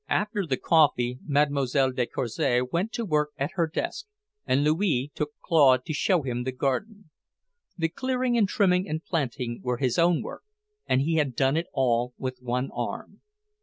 After the coffee, Mlle. de Courcy went to work at her desk, and Louis took Claude to show him the garden. The clearing and trimming and planting were his own work, and he had done it all with one arm.